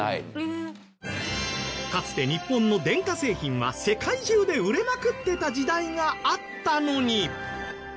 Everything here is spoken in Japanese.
かつて日本の電化製品は世界中で売れまくってた時代があったのに。